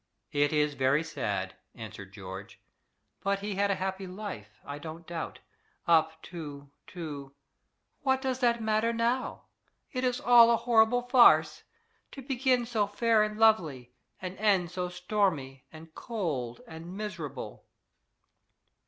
"It is very sad," answered George. "But he had a happy life, I don't doubt, up to to " "What does that matter now? It is all a horrible farce. To begin so fair and lovely, and end so stormy and cold and miserable!"